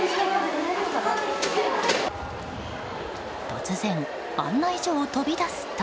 突然、案内所を飛び出すと。